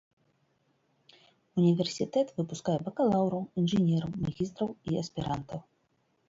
Універсітэт выпускае бакалаўраў, інжынераў, магістраў і аспірантаў.